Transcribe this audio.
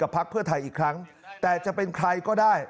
พักเพื่อไทยอีกครั้งแต่จะเป็นใครก็ได้